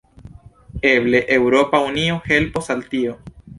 Eble Eŭropa Unio helpos al tio.